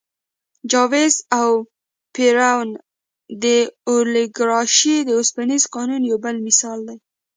چاوېز او پېرون د اولیګارشۍ د اوسپنيز قانون یو بل مثال دی.